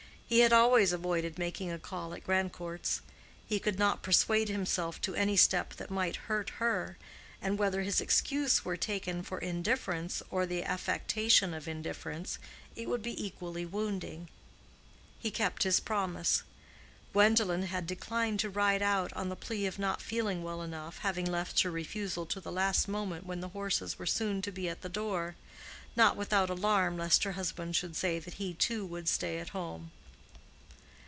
He had always avoided making a call at Grandcourt's. He could not persuade himself to any step that might hurt her, and whether his excuse were taken for indifference or for the affectation of indifference it would be equally wounding. He kept his promise. Gwendolen had declined to ride out on the plea of not feeling well enough having left her refusal to the last moment when the horses were soon to be at the door—not without alarm lest her husband should say that he too would stay at home.